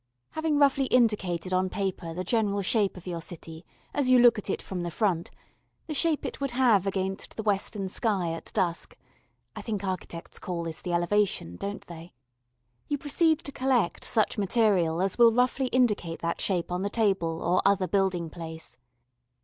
Having roughly indicated on paper the general shape of your city as you look at it from the front the shape it would have against the western sky at dusk (I think architects call this the elevation, don't they?) you proceed to collect such material as will roughly indicate that shape on the table or other building place.